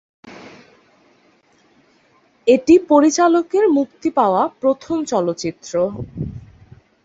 এটি পরিচালকের মুক্তি পাওয়া প্রথম চলচ্চিত্র।